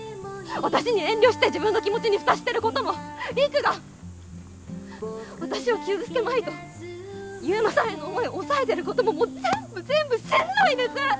私に遠慮して自分の気持ちに蓋してることも陸が私を傷つけまいと悠磨さんへの思い抑えてることももう全部全部しんどいです！